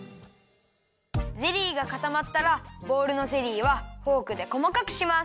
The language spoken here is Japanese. ゼリーがかたまったらボウルのゼリーはフォークでこまかくします。